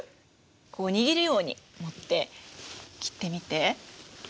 こう握るように持って切ってみて。